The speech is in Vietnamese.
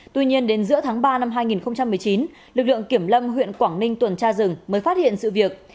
tuy nhiên đến giữa tháng ba năm hai nghìn một mươi chín lực lượng kiểm lâm huyện quảng ninh tuần tra rừng mới phát hiện sự việc